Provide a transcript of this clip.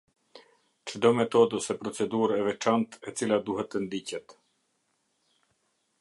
Çdo metodë ose procedurë e veçantë e cila duhet të ndiqet.